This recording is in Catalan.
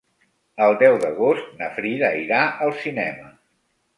El deu d'agost na Frida irà al cinema.